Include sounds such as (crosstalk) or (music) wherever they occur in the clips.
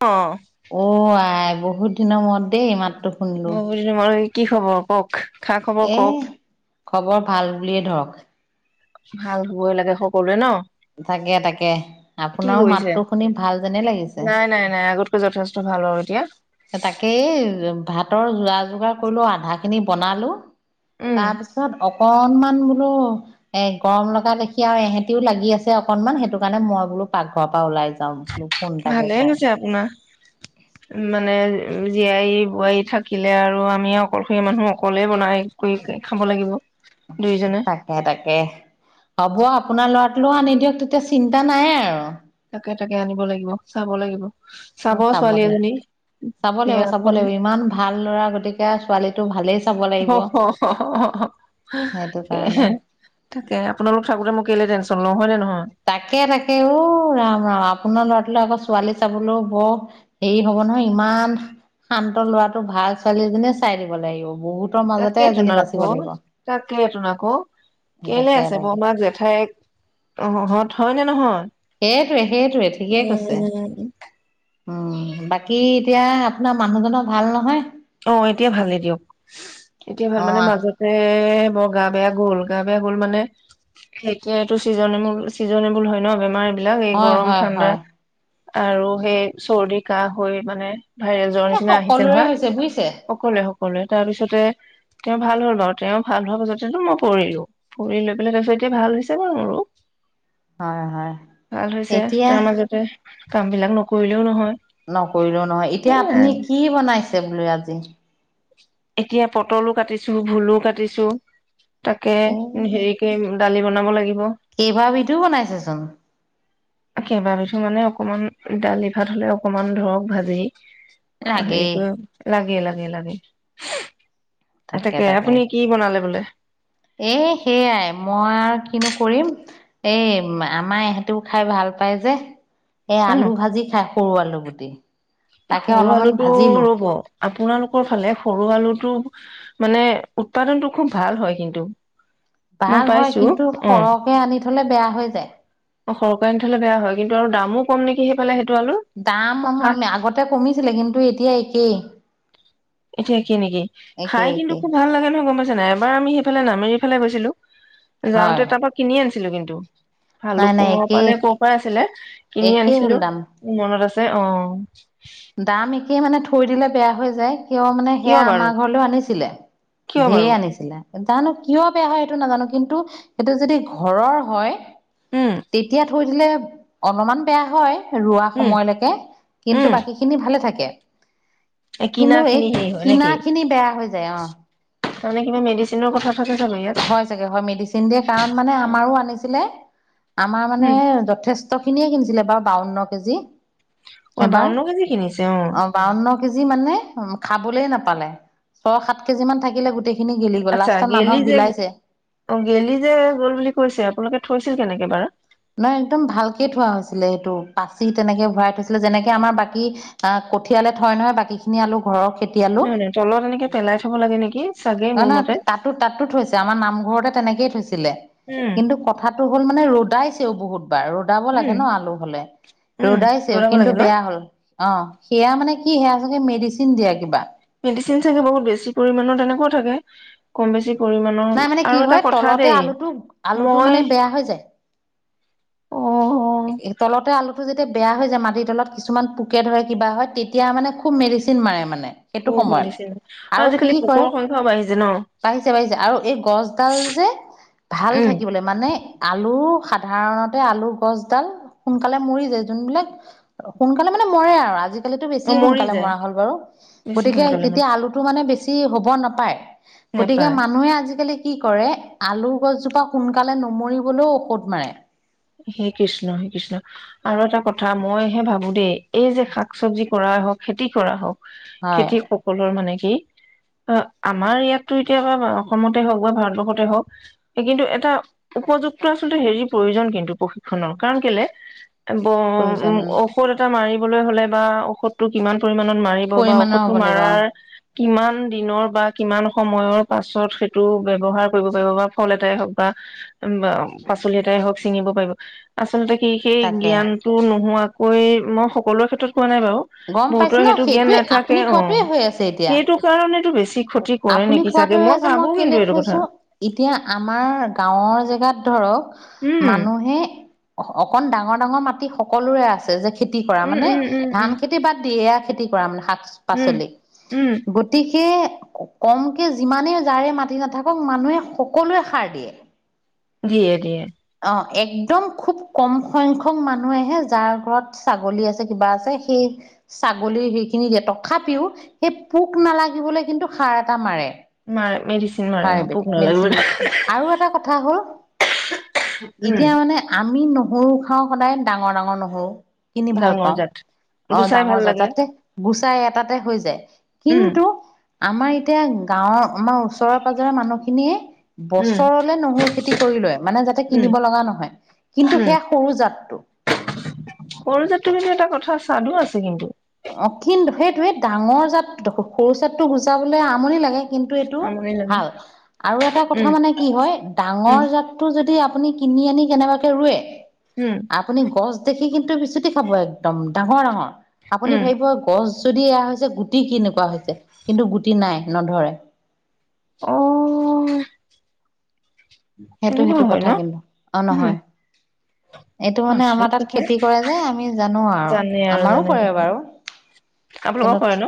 অ'। অ' আই বহুত দিনৰ মূৰত দেই মাতটো শুনিলো মই (unintelligible) কি খবৰ কওঁক? এ, খবৰ ভাল বুলিয়ে ধৰক। ভাল হ'বই লাগে সকলোৱে ন'। তাকে তাকে, কি আপোনাৰো কৰিছে? মাতটো শুনি ভাল যেনে লাগিছে। নাই নাই নাই আগত কে যথেষ্ট ভাল আৰু এতিয়া। তাকেই ভাতৰ যা যোগাৰ কৰিলোঁ, আধাখিনি বনালো। উম। তাৰপিছত অকনমান বোলো এ, গৰম লগা দেখি আৰু এহঁতিও লাগি আছে অকনমান, সেইটো কাৰণে মই বোলো পাকঘৰৰ পৰা ওলাই যা যাওঁ বুলো ফোন এটাকে ভালে কৰোঁ। হৈছে আপোনাৰ মানে জীয়াই বোৱাৰী থাকিলে আৰু আমি অকলশৰীয়া মানুহ অকলে বনাই কৰি খাব লাগিব দুয়োজনে। অ' তাকে, হ'ব আপোনাৰ লৰাটোলৈও আনি দিয়ক তেতিয়া চিন্তা নাই আৰু। তাকে তাকে আনিব লাগিব, চাব লাগিব, চাব মই ছোৱালী চাবলৈ এজনী। চাব লাগিব চাব বিয়াখন লাগিব ইমান ভাল ল'ৰা গতিক কে ছোৱালীটো ভালেই চাব লাগিব, অ' সেইটো কাৰণে। তাকে আপোনালোক থাকোঁতে মই কেলে টেনশ্যন লওঁ হয় নে নহয়? তাকে তাকে ও ৰাম ৰাম আপোনাৰ লৰাটোলৈ আকৌ ছোৱালী চাবলৈও বৰ হেৰি হব নহয় ইমান শান্ত লৰাটো ভাল ছোৱালী এজনীয়ে চাই দিব লাগিব। বহুত তাকেটোন আকৌ, তাকেটোন আকৌ। কেলে তাকে আছে তাকে বৰমাক-জেঠাইকহঁত, হয় নে নহয়? সেইটোৱে সেইটোৱে, ঠিকেই কৈছে। উম বাকী এতিয়া আপোনাৰ মানুহজনৰ ভাল নহয়? অ' এতিয়া ভালেই দিয়ক এতিয়া ভাল অ মানে মাজত এ বৰ গা-বেয়া গ'ল গা-বেয়া গ'ল মানে। (unintelligible) চিজনেবুল হয় ন বেমাৰ এইবিলাক এই হয় গৰম হয় ঠাণ্ডা। হয় আৰু সেই চৰ্দি, কাহ হৈ মানে ভাইৰেযৰ নিচিনা আহিছে নহয়। ছে বুইছে। সকলোৱে সকলোৱে তাৰ পিছতে তেওঁ ভাল হল বাৰু তেওঁ ভাল হোৱাৰ পাছতেটো মই পৰিলোঁ। পৰি লৈ পেলাই তাৰপিছত এতিয়া ভাল হৈছে বাৰু মোৰো। হয় হয় ভাল হৈছে এতিয়া তাৰ মাজতে কাম বিলাক নকৰিলেও নহয়। নকৰিলেও নহয়, এতিয়া আপুনি সেয়াই কি বনাইছে বোলো আজি? এতিয়া পটলো কাটিছো, ভোলো কাটিছো, তাকে এ হেৰিকে দালি বনাব লাগিব। কেইবা বিধো বনাইছেচোন। কেইবাবিধো মানে অকমান দালি ভাত হলে অকমান ধৰক ভাজি। অ' হেৰি লাগেই কৰি লাগে লাগে লাগে। তাকে আপুনি কি বনালে বোলে? এ সেয়াই মই আৰু কিনো কৰিম। এই আমাৰ ইহেঁতেও খাই ভাল পায় যে। এই উম আলু ভাজি খায়, সৰু আলু গুটি। এ তাকে সৰু অলপমান আলুটো ভাজিলো ৰব! আপোনালোকৰ ফালে সৰু আলুটো মানে উৎপাদনটো খুব ভাল হয় কিন্তু। মই ভাল হয়, পাইছো কিন্তু অ সৰহকে আনি থলে বেয়া হৈ যায়। অ সৰুকে আনি থলে বেয়া হয় কিন্তু আৰু দামো কম নেকি সেইফালে সেইটো আলু। দাম আমি আগতে কমিছিলে কিন্তু এতিয়া একেই। এতিয়া একেই নেকি? খাই একেই কিন্তু একেই খুব ভাল লাগে নহয় গম পাইছা নাই। এবাৰ আমি সেইফালে নামেৰি ফালে গৈছিলো, হয় যাওঁতে তাৰ পৰা কিনি আনিছিলো কিন্তু। নাই (unintelligible) নাই পৰা একেই নে ক'ৰ পৰা আছিলে কিনি একেই হ'ল আনিছিলো দাম মোৰ মনত আছে। অ'! দাম একেই মানে থৈ দিলে বেয়া হৈ যায়। কিয় মানে কিয় সেয়া বাৰু আমাৰ ঘৰলৈও আনিছিলে কিয় ঢেৰ বাৰু আনিছিলে। জানো কিয় বেয়া হয় সেইটো নাজানো, কিন্তু সেইটো যদি ঘৰৰ হয়। উম তেতিয়া থৈ দিলে অলমান বেয়া হয় ৰোৱা উম সময়লৈকে। কিন্তু উম বাকী খিনি ভালে থাকে। এই কিনা কিন্তু এই খিনি হেৰি হয় কিনা নেকি? খিনি বেয়া হৈ যায় অ'। তাৰমানে কিবা মেডিচিনৰ কথা থাকে চাব ইয়াত। (unintelligible) হয় মেডিচিন দিয়ে কাৰণ মানে আমাৰো আনিছিলে আমাৰ মানে উম যথেছ কসষ্ট খিনিয়ে কিনিছিলে বাৰ বাৱন্ন কেজি অই এবাৰ বাৱন্ন কেজি কিনিছে অ বাৱন্ন কেজি মানে উ খাবলে নাপালে ছয় সাত কেজি মান থাকিলে গোটেই খিনি গিলি গ'ল আচ্ছা লাষ্টত গেলি মানুহক যে বিলাইছে অ গেলি যে গ'ল বুলি কৈছে আপোনালোকে থৈছিল কেনেকে বাৰু নহয় একদম ভালকে থোৱা হৈছিলে সেইটো পাচি তেনেকে ভৰাই থৈছিলে যেনেকে আমাৰ বাকী আহ কঠিয়ালে থয় নহয় বাকী খিনি আলু ঘৰৰ খেতি নহয় নহয় তলত এনেকে পেলাই থব লাগে নেকি চাগে (unintelligible) অ মোৰ নহয় মতে তাতো তাতো থৈছে আমাৰ নামঘৰতে তেনেকেই থৈছে চিলে উম কিন্তু কথাটো হল মানে ৰ'দাইছেও বহুতবাৰ ৰদ ৰদাব লাগে উম ন' আলু হলে উম ৰদাইছে দৌৰাব কিন্তু লাগে ন বেয়া হ'ল। অ' সেয়া মানে কি সেয়া চাগে মেডিচিন দিয়া কিবা। মেডিচিন চাগে বহুত বেছি পৰিমানৰ তেনেকুৱা থাকে কম বেছি পৰিমান। অ' নাই মানে কি আৰু এটা হয় কথা তলতে দেই আলুটো আলুটো মানে মই বেয়া হৈ যায়। অ'। তলতে আলুটো যেতিয়া বেয়া হৈ যায় মাটিৰ তলত কিছুমান পোকে ধৰে কিবা হয় তেতিয়া মানে খুব মেডিচিন মাৰে মানে। সেইটো খুব সময়ত। মেডিচিন আৰু আজিকালি পোকৰ সংখ্যাও বাঢ়িছে ন'। বাঢ়িছে বাঢ়িছে আৰু এই গছডাল যে ভাল উম থাকিব লাগে। মানে আলু সাধাৰণতে আলু গছ ডাল সোনকালে মৰি যায় যোনবিলাক সোনকালে মানে মৰে আৰু আজি (unintelligible) অ বেছিয়ে মৰি সোনকালে যায় মৰা হ'ল বাৰু বেছি গতিকে সোনকালে তেতিয়া মানে আলুটো টো মানে বেছি হ'ব নাপায় গতিকে নেপায় মানুহে আজিকালি কি কৰে আলু গছজোপা সোনকালে নমৰিবলৈও ঔষধ মাৰে। হেই কৃষ্ণ, হেই কৃষ্ণ। আৰু এটা কথা মইহে ভাবো দেই এই যে শাক চবজি কৰাই হওঁক খেতি কৰা হওঁক হয় খেতিক সকলৰ মানে কি অ আমাৰ ইয়াততো এতিয়া হয় বাৰু অসমতে হওঁক বা ভাৰতবৰ্ষতে হওঁক। এই কিন্তু এটা উপযুক্ত আচলতে হেৰিৰ প্ৰয়োজন কিন্তু প্ৰশিক্ষণৰ কাৰণ কেলে প্ৰয়োজন (unintelligible) ঔষধ এটা মাৰিবলৈ হলে বা ঔষধটো কিমান পৰিমানত মাৰিব বা পৰিমাণৰ ঔষধটো হ'ব লাগিব মাৰাৰ কিমান দিনৰ বা কিমান সময়ৰ পাছত সেইটো ব্যৱহাৰ কৰিব পাৰিব বা ফল এটাই হওঁক বা (unintelligible) পাচলি এটাই হওঁক চিঙিব পাৰিব আচলতে কি সেই তাকে জ্ঞান টো নোহোৱাকৈ মই সকলোৰে ক্ষেত্ৰত কোৱা নাই বাৰু। গম পাইছে বহুতৰ ন সেইটো জ্ঞান সেইটোৱে নাথাকে আপুনি অ', কোৱাটোৱে হৈ আছে এতিয়া সেইটো কাৰণেটো বেছি ক্ষতি কৰে আপুনি নেকি চাগে কোৱাটোৱে মই যে ভাবো কেলে কিন্তু এইটো কৈছো কথা। এতিয়া আমাৰ গাঁৱৰ জেগাত ধৰক উম মানুহে অ', অকন ডাঙৰ ডাঙৰ মাটি সকলোৰে আছে যে -খেতি কৰা উম মানে উম উম উম ধান খেতি বাদ দি এইয়া খেতি কৰা মানে উম শাক-পাচলি উম গতিকে গতিকে কমকে যিমানেই জাৰে মাতি নাথাকক মানুহে সকলোৱে সাৰ দিয়ে। দিয়ে দিয়ে। অ' একদম খুব কম সংখ্যক মানুহে যাৰ ঘৰত ছাগলী আছে কিবা আছে সেই ছাগলী সেইখিনি দিয়ে তথাপিও সেই পোক নালাগিবলৈ কিন্তু সাৰ এটা মাৰে। মাৰে মেডিচিন মাৰে অ হাইভিধ পোক নালাগিব মেডিচিন মাৰে আৰু এটা কথা হ'ল। উম এতিয়া মানে আমি নহৰু খাওঁ সদায় ডাঙৰ ডাঙৰ নহৰু। কিনি ভাল ডাঙৰ পাওঁ জাত। অ' গুচাই ডাঙৰ ভাল জাত, লাগে যাতে গুচাই এটাতে হৈ যায় উম কিন্তু আমাৰ এতিয়া গাঁৱৰ আমাৰ ওচৰৰে পাজৰে মানুহখিনিয়ে উম বছৰলে নহৰু খেতি কৰি লয়। মানে যাতে উম কিনিব লগা নহয়, কিন্তু উম সেইয়া সৰু জাতটো। সৰু জাটটো কিন্তু এটা কথা স্বাদু আছে কিন্তু। অ' কিন্তু সেইটোৱে ডাঙৰ জাত- সৰু জাতটো গুচাবলে আমনি লাগে। কিন্তু এইটো আমনি লাগে ভাল, আৰু এটা উম কথা মানে কি হয় উম ডাঙৰ জাত টো যদি আপুনি কিনি আনি কেনেবাকে ৰুৱে উম। আপুনি গছ দেখি কিন্তু বিছুতি খাব একদম, ডাঙৰ ডাঙৰ! আপুনি উম ভাবিব গছ যদি এয়া হৈছে গুটি কেনেকুৱা হৈছে, কিন্তু গুটি নাই নধৰে। অহ। (inaudible) সেইটো সেইটো হয় কথা ন কিন্তু, অ উম নহয়। এইটো মানে আমাৰ আচৰিত তাত কথা খেতি কৰে যে আমি জানো আৰু, জানে আৰু আমাৰো জানে কৰে বাৰু। আপোনালোকৰ কৰে কিন্তু ন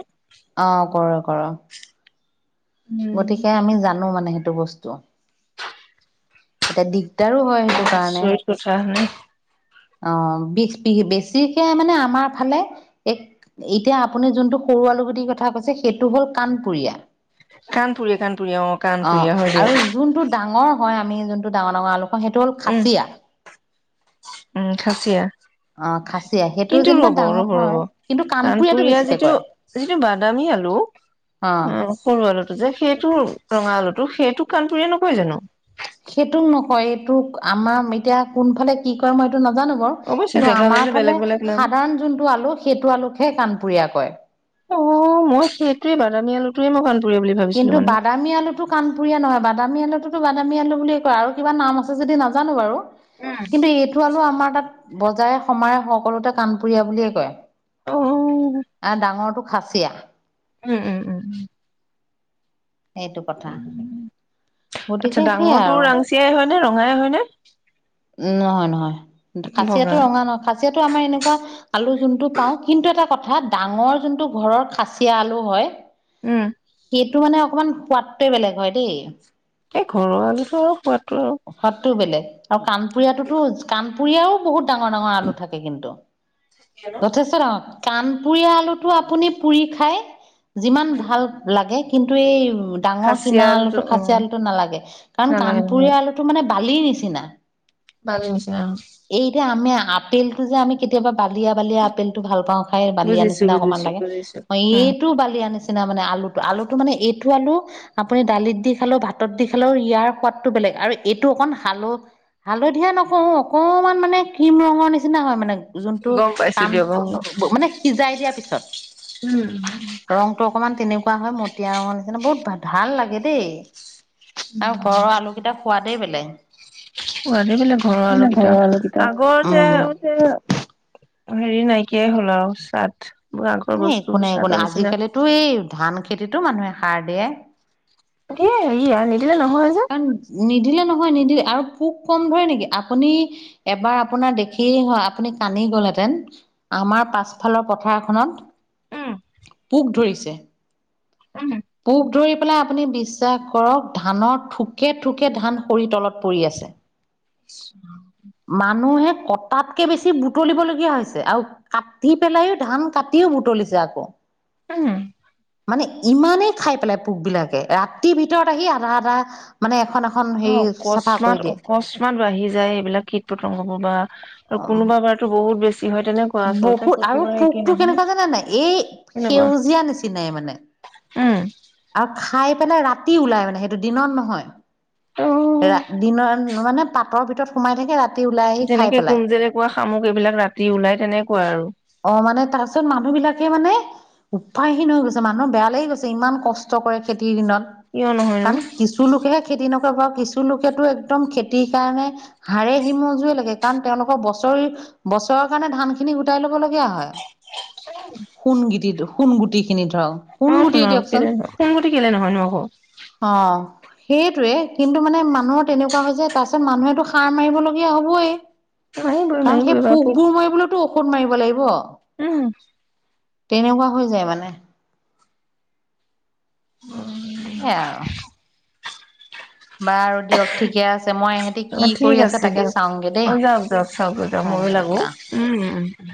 অ কৰো কৰো। উম গতিকে আমি জানো মানে সেইটো বস্তু। এতিয়া দিগদাৰো হয় সেইটো কাৰণে। আচৰিত কথা হয়নে অঁ বিষ বি বেছিকে মানে আমাৰ ফালে এক এতিয়া আপুনি যোনটো সৰু আলুগুটিৰ কথা কৈছে সেইটো হল কানপুৰীয়া। কাণপুৰীয়া কাণপুৰীয়া অ কাণপুৰীয়া হয় আৰু দিয়ক। যোনটো ডাঙৰ হয় আমি যোনটো ডাঙৰ ডাঙৰ আলু খাওঁ, সেইটো হ'ল উম খাচিয়া। উম খাচিয়া। অঁ খাচিয়া, সেইটো কিন্তু যেনিবা ৰ'ব ডাঙৰ ৰ'ব ৰ'ব হয় কিন্তু কানপুৰীয়াটো কাণপুৰীয়া বেছিকে যিটো কৰে। যিটো বাদামী আলু অঁ। অ সৰু আলুটো যে, সেইটো ৰঙা আলুটো সেইটো কাণপুৰিয়া নহয় জানো? সেইটোক নকয়, এইটোক আমাৰ এতিয়া কোনফালে কি কয় মই এইটো নাজানো বাৰু, অৱশ্যে কিন্তু জেগা আমাৰ জেগা বেলেগ ফালে বেলেগ নাম সাধাৰণ যোনটো আলু সেইটো আলুকহে কাণপুৰীয়া কয়। অঁ মই সেইটোৱে বাদামী আলুটোৱে মই কাণপুৰীয়া বুলি কিন্তু ভাবিছিলো মানে। বাদামী আলু সেইটো কানপুৰীয়া নহয়, বাদামী আলুটোতো বাদামী আলু বুলিয়ে কয়, আৰু কিবা নাম আছে যদি নাজানো বাৰু। কিন্তু এইটো আলু আমাৰ তাত বজাৰে সমাৰে সকলোতে কাণপুৰীয়া বুলিয়ে কয়। অ উম আৰু ডাঙৰটো খাচিয়া। উম উম। এইটো কথা আচ্ছা গতিকে সেইয়াই ডাঙৰটো আৰু। ৰাংচিয়াই হয়নে ৰঙাই হয়নে নহয় নহয় খাচিয়াটো বগা ৰঙা নহয়, খাচিয়াটো আমাৰ এনেকুৱা আলু যোনটো পাওঁ, কিন্তু এটা কথা ডাঙৰ যোনটো ঘৰৰ খাচিয়া আলু হয় উম। এইটো মানে অকণমান সোৱাদটোৱে বেলেগ হয় দেই। এই ঘৰৰ আলুটো আও সোৱাদটো আৰু সোৱাদটো বেলেগ, আৰু কাণপুৰীয়াতোতো কাণপুৰীয়াও বহুত ডাঙৰ ডাঙৰ আলু থাকে কিন্তু। কিয়নো তাৰপিছত অ কাণপুৰিয়া আলুটো আপুনি পুৰি খাই যিমান ভাল লাগে কিন্তু এই ডাঙৰ খাচীয়া কিনা আলুটো অ খাচী আলুটো নালাগে কাৰণ নালাগে নালাগে কাণপুৰীয়া আলুটো টো মানে বালিৰ নিচিনা বালিৰ নিচিনা অ এইযে আমি আপেলতো যে আমি কেতিয়াবা বালিয়া বালিয়া আপেল তো ভাল পাওঁ খাই বালিয়া বুজিছো নিচিনা অকনমান বুজিছো লাগে বুজিছো অ উম এইটো বালিয়া নি চিনা মানে আলুটো আলুটো মানে এইটো আলু আপুনি দালিত দি খালেও ভাতত দি খালেও ইয়াৰ সোৱাদটো বেলেগ আৰু এইটো অকণ হাল হালধীয়া নকও অকমান মানে ক্ৰীম ৰঙৰ নিচিনা হয় মানে যোনটো গম পাইছো কাম দিয়ক অ মানে সিজাই দিয়াৰ পিছত উম ৰঙ টো অকণমান তেনেকোৱা হয় মতিয়া ৰঙৰ নিচিনা বহুত ভাল লাগে দেই আৰু ঘৰৰ আলুকেইটাৰ সোৱাদেই বেলেগ সোৱাদে বেলেগ ঘৰৰ ঘৰৰ আলুকেইটাৰ আলুকেইটা আগৰ যে আগতে হেৰি নাইকিয়াই হ'ল আৰু চাৰ্ট মোৰ আগৰ বস্তুবোৰ চাৰ্টৰ নিচিনা তো এই ধান খেতিতো মানুহে সাৰ দিয়ে। দিয়ে হেৰি আও নিদিলে নহয় যে। উম নিদিলে নহয় নিদিলে আৰু পোক কম ধৰে নেকি আপুনি এবাৰ আপোনাৰ দেখি আপুনি কান্দি গ'লহেতেন আমাৰ পাছফালৰ পথাৰখনত উম। পোক ধৰিছে উম। পোক ধৰি পেলাই আপুনি বিশ্বাস কৰক, ধানৰ থোকে থোকে ধান সৰি তলত পৰি আছে। (inaudible) ইছ ৰাম মানুহে কটাতকে বেছি বুটলিবলগীয়া হৈছে আও কাটি পেলাইও ধান কাটিও বুটলিছে আকৌ। উম। মানে ইমানেই খাই পেলাই পোক বিলাকে ৰাতিৰ ভিতৰত আহি আধা আধা মানে এখন এখন অ হেৰি চাফা কৰি অকস্মাত দিয়ে অকস্মাত বাঢ়ি যায় এইবিলাক কীট পতংগবোৰ বা কোনোবা বাৰ তো বহুত বেছি হয় তেনে বহুত আৰু পোকটো কেনেকোৱা জানে নাই এই তেনেকুৱা। সেউজীয়া নিচিনাই মানে। উম। আৰু খাই পেলাই ৰাতি ওলাই মানে সেইটো দিনত নহয় ৰা ত' দিনত মানে পাতৰ ভিতৰত সোমাই থাকে ৰা যেনেকে কোমজেলেকুৱা, শামুক এইবিলাক ৰাতি ওলাই তেনেকোৱা আৰু। অ' মানে তাৰ পিছত মানুহ বিলাকে মানে উপায়হীন হৈ গৈছে মানুহৰ বেয়া লাগি গৈছে ইমান কষ্ট কৰে খেতিৰ দিনত। কিয় নহয়নো? কাৰণ কিছু লোকেহে খেতি নকৰে বাৰু কিছু লোকেতো একদম খেতিৰ কাৰণে হাড়ে সিমজুৱে লাগে কাৰণ তেওঁলোকৰ বছৰি বছৰৰ কাৰণে ধান খিনি গোটাই লৈ কিয় হয় সোণগিটিতো সোণগুটি খিনি ধৰক। সোণ অ' গুটিয়ে তুন আৰু দিয়কচোন কেলে নহয়, সোণগুটি কেলে নহয়নো আকৌ। অ' সেইটোৱে কিন্তু মানে মানুহৰ তেনেকোৱা হৈছে তাৰপিছত মানুহেতো সাৰ মাৰিবলগীয়া হ'বয়ে। মাৰিবই কাৰণ, সেই মাৰিবই বাপোক পোকবোৰ মাৰিবলৈতো ঔষধ মাৰিব লাগিব। উম। তেনেকুৱা হৈ যায়, মানে। সেয়াই আৰু (unintelligible) (unintelligible) বাৰু দিয়ক ঠিকে আছে। মই এহেঁতি অ কি কৰি আছে, তাকে চাওঁগে দেই। চওঁকগে যাওঁক। ভাল মইয়ো লাগো, লাগিলে অ উম।